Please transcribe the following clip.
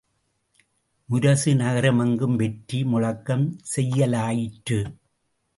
முரசு நகரமெங்கும் வெற்றி முழக்கம் செய்யலாயிற்று.